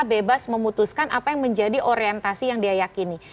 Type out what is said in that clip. bebas memutuskan apa yang menjadi orientasi yang diayakini